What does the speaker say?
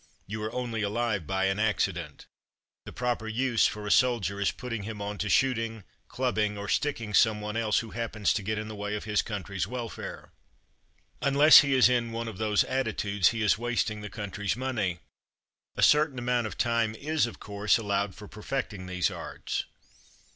You are only alive by an accident. The proper use for a soldier is putting him on to shooting, clubbing, or sticking someone else who happens to get in the way of his country's welfare. Unless he is in one of these attitudes he is wasting the country's money. A certain amount of time is, of course, allowed for perfecting these arts.